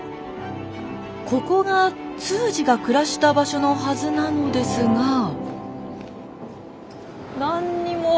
ここが通詞が暮らした場所のはずなのですが。